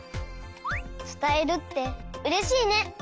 つたえるってうれしいね！